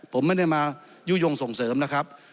ผมไม่ได้มายุโยงส่งเสริมนะครับ